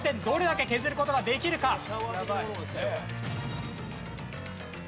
どれだけ削る事ができるか？